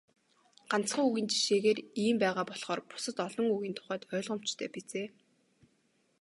Ганцхан үгийн жишээгээр ийм байгаа болохоор бусад олон үгийн тухайд ойлгомжтой биз ээ.